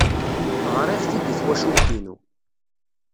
Ɣriɣ-t-id i twacult-inu.